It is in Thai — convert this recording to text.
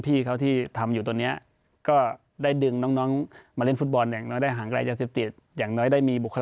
ปกติการเล่นโบลที่ประดูกอันนี้